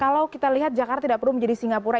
kalau kita lihat jakarta tidak perlu menjadi singapura